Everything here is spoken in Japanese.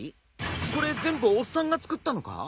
これ全部おっさんが作ったのか？